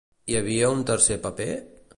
Hi havia un tercer paper?